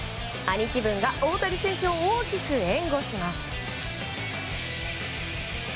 兄貴分が大谷選手を大きく援護します。